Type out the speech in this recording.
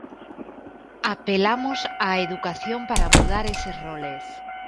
Apelamos á educación para mudar eses roles.